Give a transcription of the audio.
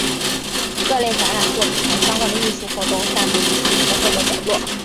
各类展览作品和相关的艺术活动散布于城市的各个角落。